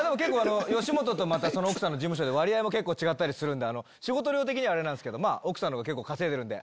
吉本と奥さんの事務所で割合も結構違ったりするんで仕事量的にはあれなんですけど奥さんが結構稼いでるんで。